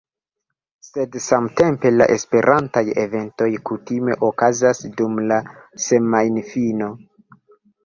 Sed samtempe la Esperantaj eventoj kutime okazas dum la semajnfino